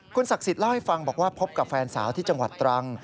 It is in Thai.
ศักดิ์สิทธิ์เล่าให้ฟังบอกว่าพบกับแฟนสาวที่จังหวัดตรัง